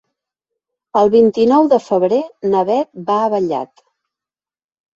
El vint-i-nou de febrer na Beth va a Vallat.